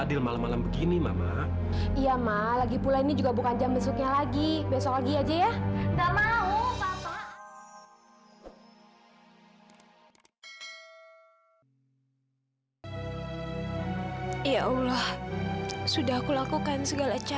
sampai jumpa di video selanjutnya